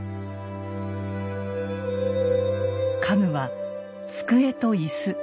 家具は机と椅子。